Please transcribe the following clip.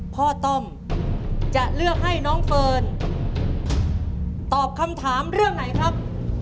ต้อมจะเลือกให้น้องเฟิร์นตอบคำถามเรื่องไหนครับ